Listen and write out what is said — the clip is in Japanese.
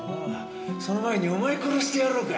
その前にお前殺してやろうか。